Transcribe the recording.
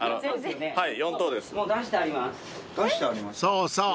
［そうそう。